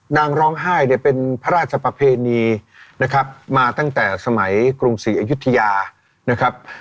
นางร้องไห้เป็นพระราชประเพณีมาตั้งแต่สมัยกรุงศรีอยุธยา